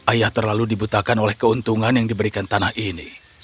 ayah terlalu dibutakan oleh keuntungan yang diberikan tanah ini